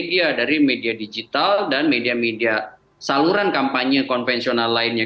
jadi kita harus menggunakan media dari media digital dan media media saluran kampanye konvensional lainnya